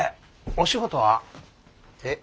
お仕事は？え？